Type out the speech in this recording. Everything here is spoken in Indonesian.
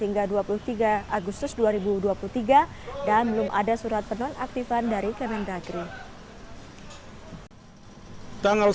pada dua puluh tiga agustus dua ribu dua puluh tiga dan belum ada surat penolak aktifan dari kementerian agri